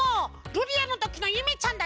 「☆ルリア」のときのゆめちゃんだよ。